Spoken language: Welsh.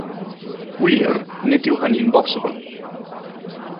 Wir, nid yw hynny'n bosibl.